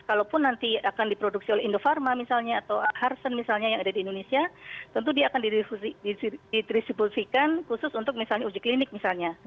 kalaupun nanti akan diproduksi oleh indofarma misalnya atau harsen misalnya yang ada di indonesia tentu dia akan didistribusikan khusus untuk misalnya uji klinik misalnya